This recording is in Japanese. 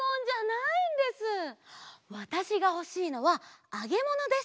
わたしがほしいのはあげものです！